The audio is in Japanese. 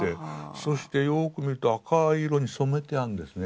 そしてよく見ると赤い色に染めてあるんですね。